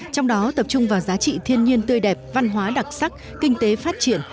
trong đó tập trung vào giá trị thiên nhiên tươi đẹp văn hóa đặc sắc kinh tế phát triển